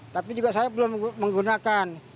tapi juga saya belum menggunakan